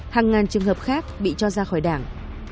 hàng ngàn trường hợp khác bị cho ra khỏi đảng